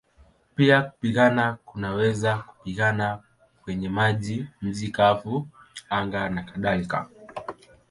Pia kupigana kunaweza kupigana kwenye maji, nchi kavu, anga nakadhalika.